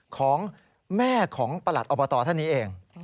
ของแม่ของประหลัดอบตท่านนี้เอง